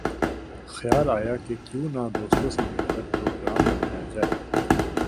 خیال آیا کہ کیوں نہ دوستوں سے مل کر پروگرام بنایا جائے